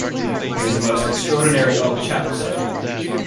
He is a most extraordinary old chap, sir.